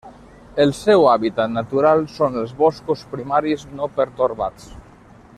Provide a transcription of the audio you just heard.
El seu hàbitat natural són els boscos primaris no pertorbats.